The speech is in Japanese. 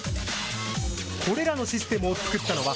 これらのシステムを作ったのは、